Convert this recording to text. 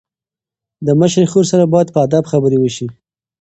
د مشرې خور سره باید په ادب خبرې وشي.